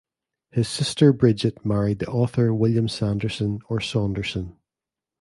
Her sister Bridget married the author William Sanderson or Saunderson.